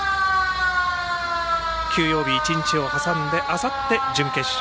休養日１日を挟んであさってが準決勝。